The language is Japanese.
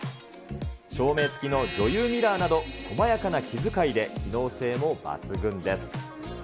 照明つきの女優ミラーなど、細やかな気遣いで、機能性も抜群です。